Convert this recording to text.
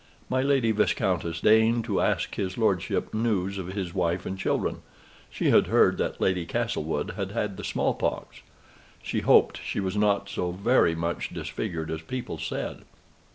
My Lady Viscountess deigned to ask his lordship news of his wife and children; she had heard that Lady Castlewood had had the small pox; she hoped she was not so VERY much disfigured as people said.